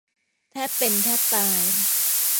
แทบเป็นแทบตาย